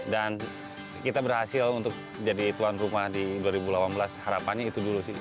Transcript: dan kita berhasil untuk jadi tuan rumah di dua ribu delapan belas harapannya itu dulu sih